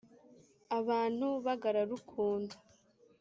abantu bagararukundo.